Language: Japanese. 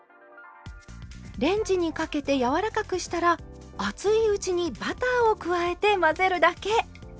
レンジにかけて柔らかくしたら熱いうちにバターを加えて混ぜるだけ。